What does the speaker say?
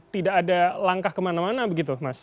tidak ada langkah kemana mana begitu mas